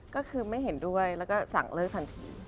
ก็คือไม่เห็นด้วยแล้วก็สั่งเลิกทันที